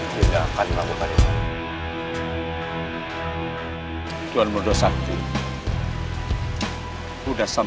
pertama kali tuan mudo pulang